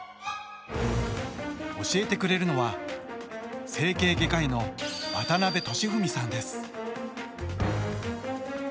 教えてくれるのは整形外科医の渡邊敏文さんです。